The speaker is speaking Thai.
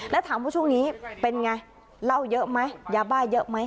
แล้วถามว่าช่วงนี้เป็นไงเหล้าเยอะไหมยาบ้าเยอะไหม